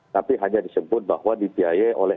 tapi hanya disebut bahwa dibiayai oleh